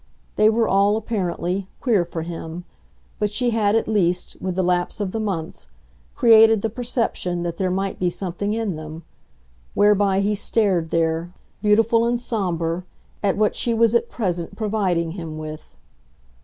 They were all, apparently, queer for him, but she had at least, with the lapse of the months, created the perception that there might be something in them; whereby he stared there, beautiful and sombre, at what she was at present providing him with.